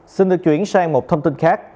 xin được chuyển sang một thông tin khác